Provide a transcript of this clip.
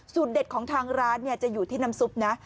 เด็ดของทางร้านจะอยู่ที่น้ำซุปนะ